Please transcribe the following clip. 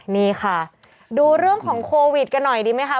นี่ค่ะดูเรื่องของโควิดกันหน่อยดีไหมคะ